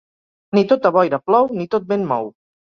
Ni tota boira plou, ni tot vent mou.